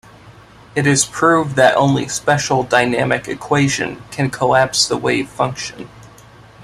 It is proved that only special dynamic equation can collapse the wave function.